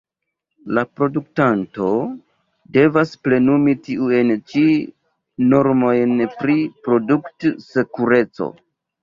La produktanto devas plenumi tiujn ĉi normojn pri produkt-sekureco.